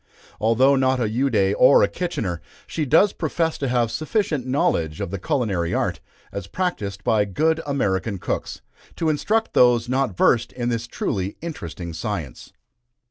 Although not a Ude or a Kitchener, she does profess to have sufficient knowledge of the culinary art, as practised by good American cooks, to instruct those not versed in this truly interesting science.